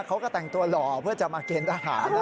เขาก็แต่งตัวหล่อเพื่อจะมาเกณฑ์ทหารนะ